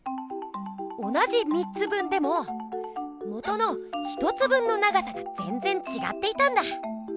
同じ３つ分でももとの１つ分の長さがぜんぜんちがっていたんだ。